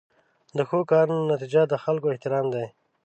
د ښو کارونو نتیجه د خلکو احترام دی.